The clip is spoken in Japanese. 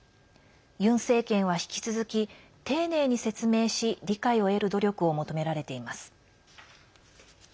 ユン政権は引き続き丁寧に説明し、理解を得る努力を求められています。